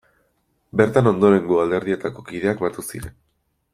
Bertan ondorengo alderdietako kideak batu ziren.